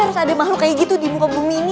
terus ada makhluk kayak gitu di muka bumi ini